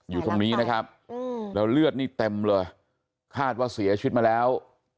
อยู่ตรงนี้นะครับแล้วเลือดนี่เต็มเลยคาดว่าเสียชีวิตมาแล้ว